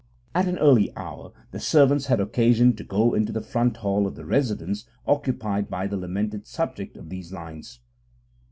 At an early hour the servants had occasion to go into the front hall of the residence occupied by the lamented subject of these lines.